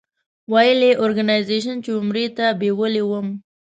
ویل یې اورګنایزیش چې عمرې ته بېولې وم.